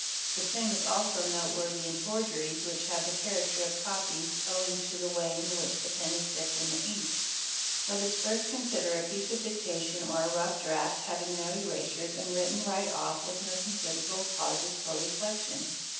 The same is also note 5AM, SRR EAA APS ANA oP PoP MEE SSRN Worthy in forgeries, which have the character of copies owing to the way In which the pen is dipped in the ink. Let us first consider a piece of ~ dictation or a rough draft having no erasures and written right off with no cons iderable pauses for reflection.